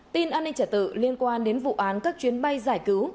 tin an ninh trả tự liên quan đến vụ án các chuyến bay giải cứu